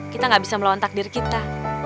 kita gak bisa melawan takdir kita